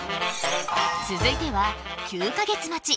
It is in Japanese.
続いては９カ月待ち